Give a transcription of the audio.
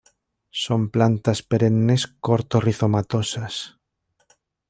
Son plantas perennes corto rizomatosas.